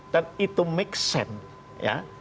dan itu make sense